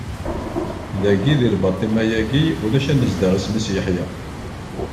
Dagi, di labaṭima-agi ulac anezdaɣ isem-is Yeḥya.